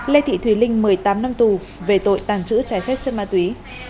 lê thị thùy linh một mươi tám năm tù về tội tàng trữ trái phép chất ma túy